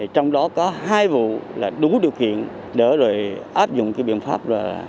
trong đó có hai vụ là đúng điều kiện để áp dụng biện pháp